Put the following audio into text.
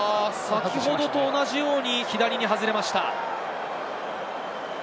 先ほどと同じように左に外れました。